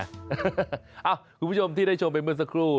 นี่พวกผู้ชมที่ได้ชมเป็นเมื่อสัครู่